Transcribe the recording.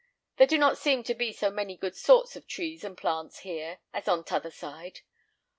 There do not seem to be so many good sorts of trees and plants here as on t'other side.